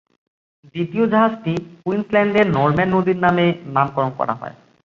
দ্বিতীয় জাহাজটি কুইন্সল্যান্ডের নরম্যান নদীর নামে নামকরণ করা হয়।